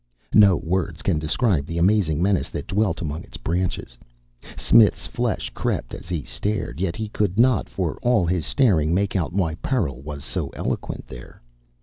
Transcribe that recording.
No words can describe the amazing menace that dwelt among its branches. Smith's flesh crept as he stared, yet he could not for all his staring make out why peril was so eloquent there.